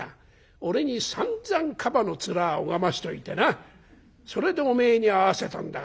俺にさんざんカバの面拝ましておいてなそれでおめえに会わせたんだから」。